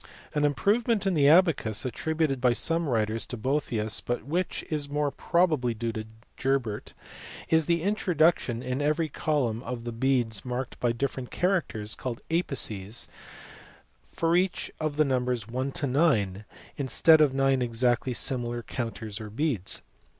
An improvement in the abacus, attributed by some writers to Boethius but which is more probably due to Gerbert, is the introduction in every column of beads marked by different characters, called apices, for each of the numbers from 1 to 9 instead of nine exactly similar counters or beads.